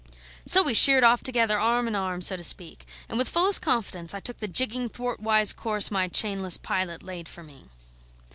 So we sheered off together, arm in arm, so to speak; and with fullest confidence I took the jigging, thwartwise course my chainless pilot laid for me.